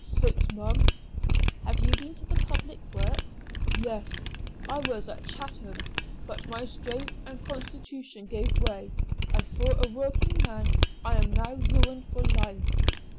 "Six months." "Have you been to the public works?" "Yes, I was at Chatham; but my strength and constitution gave way, and for a working man I am now ruined for life."